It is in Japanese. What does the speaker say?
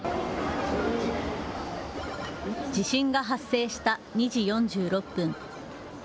地震が発生した２時４６分。